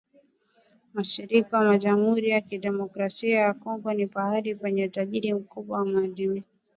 Mashariki mwa Jamhuri ya Kidemokrasia ya Kongo ni pahali penye utajiri mkubwa wa madini